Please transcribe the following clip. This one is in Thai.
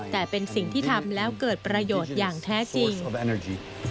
แต่เป็นสิ่งที่ทำแล้วเกิดประโยชน์อย่างแท้จริง